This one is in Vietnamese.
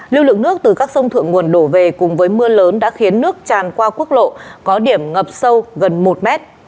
lưu lượng nước từ các sông thượng nguồn đổ về cùng với mưa lớn đã khiến nước tràn qua quốc lộ có điểm ngập sâu gần một mét